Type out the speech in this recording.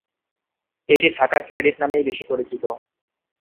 এটি ঢাকা ক্রেডিট নামেই বেশি পরিচিত।